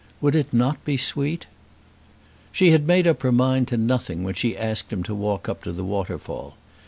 Would it not be sweet? She had made her mind up to nothing when she asked him to walk up to the waterfall.